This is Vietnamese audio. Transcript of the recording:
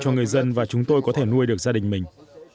cho người dân và chúng tôi có thể nuôi được gia đình mình